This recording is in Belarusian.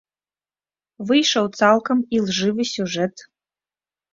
Выйшаў цалкам ілжывы сюжэт.